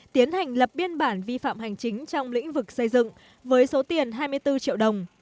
tiến hành lập biên bản vi phạm hành chính trong lĩnh vực xây dựng với số tiền hai mươi bốn triệu đồng